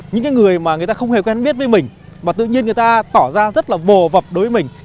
những người mà người ta không hề quen biết với mình mà tự nhiên người ta tỏ ra rất là vồ vập đối với mình